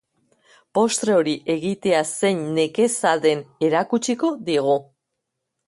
Postre hori egitea zein nekeza den erakutsiko digu.